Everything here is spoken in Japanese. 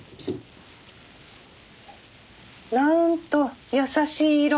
なんと優しい色。